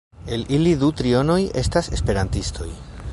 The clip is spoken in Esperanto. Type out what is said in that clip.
El ili du trionoj estas esperantistoj.